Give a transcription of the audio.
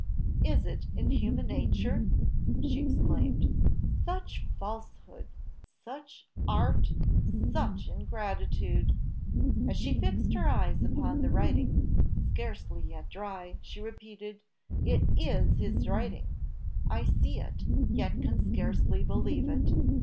is it in human nature?" she exclaimed. "Such falsehood, such art, such ingratitude!" As she fixed her eyes upon the writing, scarcely yet dry, she repeated. "It is his writing I see it, yet can scarcely believe it!